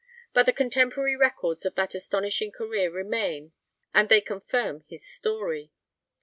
But the contemporary records of that astonishing career remain, and they confirm his story.